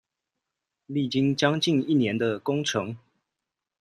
歷經將近一年的工程